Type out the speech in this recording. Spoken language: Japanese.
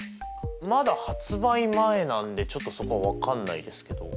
まだ発売前なんでちょっとそこは分かんないですけど。